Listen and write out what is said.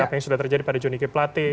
apa yang sudah terjadi pada jonny k platte